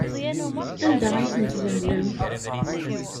Anda ay ten-tdehnem?